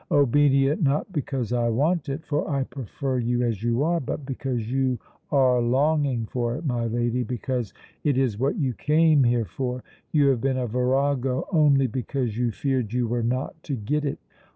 "Obedient, not because I want it, for I prefer you as you are, but because you are longing for it, my lady because it is what you came here for. You have been a virago only because you feared you were not to get it.